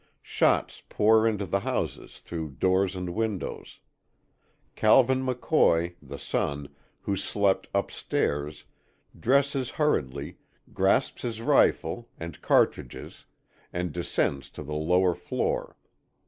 Shots pour into the houses through doors and windows. Calvin McCoy, the son, who slept upstairs, dresses hurriedly, grasps his rifle and cartridges and descends to the lower floor.